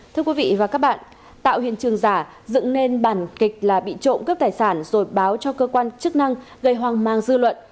thưa quý vị và các bạn tạo hiện trường giả dựng nên bản kịch là bị trộm cướp tài sản rồi báo cho cơ quan chức năng gây hoang mang dư luận